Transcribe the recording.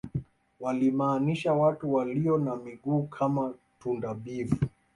walimaanisha watu walio na miguu kama tunda bivu